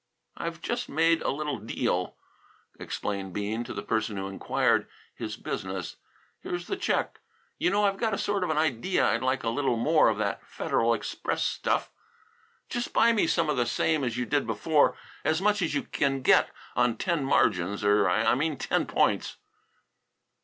"I've just made a little deal," explained Bean to the person who inquired his business. "Here's the check. You know I've got a sort of an idea I'd like a little more of that Federal Express stuff. Just buy me some the same as you did before, as much as you can get on ten margins, er I mean on ten points."